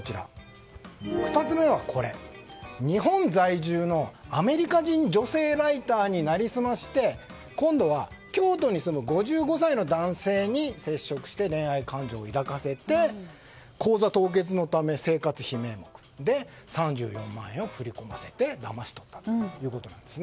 ２つ目は日本在住のアメリカ人女性ライターに成り済まして今度は京都に住む５５歳の男性に接触して、恋愛感情を抱かせて口座凍結のため生活費名目で３４万円を振り込ませてだまし取ったということです。